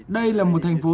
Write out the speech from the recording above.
đây là một thành phố